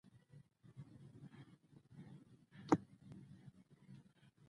ماشوم په خپلې لوبې کې ټینګ باور درلود.